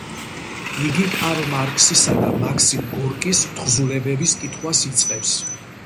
იგი კარლ მარქსისა და მაქსიმ გორკის თხზულებების კითხვას იწყებს.